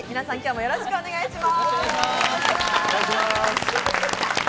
よろしくお願いします。